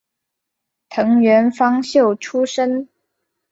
藤原芳秀出身。